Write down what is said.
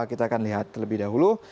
kita akan lihat terlebih dahulu